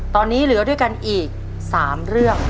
ตอนนี้เหลือด้วยกันอีก๓เรื่อง